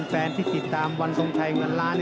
แฟนที่ติดตามวันทรงชัยเงินล้าน